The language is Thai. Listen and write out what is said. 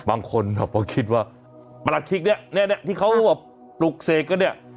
บางคนพอคิดว่าปรัสคิกเนี่ยแน่ที่เขาปลูกเสกก็เนี่ย